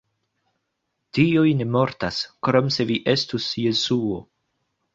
Dioj ne mortas, krom se vi estus Jesuo.